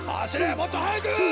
もっとはやく！